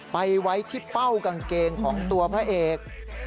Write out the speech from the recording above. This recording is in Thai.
ไปไว้ที่เป้ากางเกงของตัวพระเอก